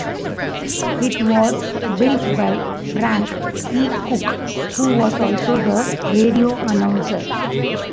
It was built by Frank C. Cook, who was also the radio announcer.